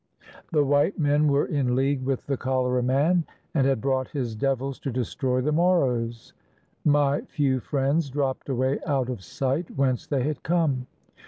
The white men were in league with the Cholera Man, and had brought his devils to destroy the Moros. My few friends dropped away out of sight, whence they had come.